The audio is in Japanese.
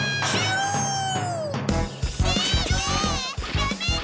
やめて！